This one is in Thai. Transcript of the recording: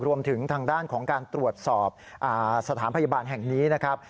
รวมถึงทางด้านของการตรวจสอบสถานพยาบาลแห่งนี้นะครับ